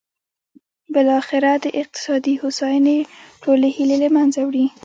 بالاخره د اقتصادي هوساینې ټولې هیلې له منځه وړي.